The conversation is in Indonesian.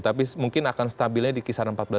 tapi mungkin akan stabilnya di kisaran perusahaan